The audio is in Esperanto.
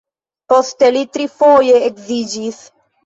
Poste li trifoje edziĝis.